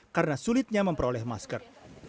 karena sulitnya memperoleh masker